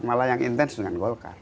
malah yang intens dengan golkar